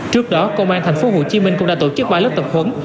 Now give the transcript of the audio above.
trước đó công an thành phố hồ chí minh cũng đã tổ chức ba lớp tập huấn